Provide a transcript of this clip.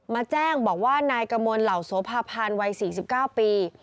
มาแจ้งบอกว่านายกมลเหล่าโสภาพันธ์วัย๔๙ปี